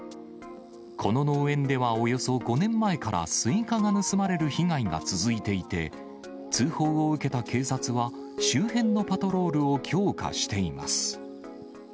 この農園ではおよそ５年前から、スイカが盗まれる被害が続いていて、通報を受けた警察は、周辺のパトロールを強化しています。